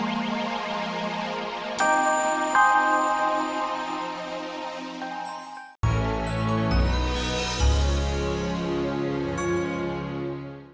aku pinter itu karena aku sama bapak itu